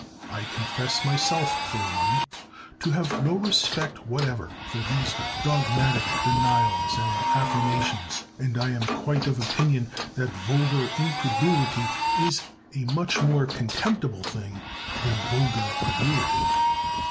I confess myself, for one, to have no respect whatever for these dogmatic denials and affirmations, and I am quite of opinion that vulgar incredulity is a much more contemptible thing than vulgar credulity.